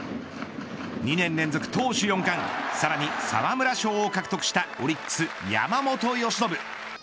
２年連続投手四冠さらに沢村賞を獲得したオリックス山本由伸。